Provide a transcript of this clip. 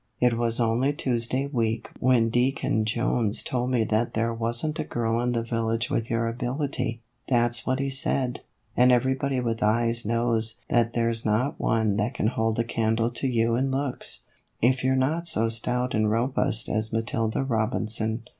It was only Tuesday week when Deacon Jones told me that there was n't a girl in the village with your ability that's what he said and everybody with eyes knows that there's not one that can hold a candle to you in looks, if you 're not so stout and robust as Matilda Robinson.